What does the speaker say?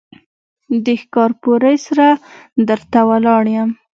د ښکارپورۍ سره در ته ولاړ يم.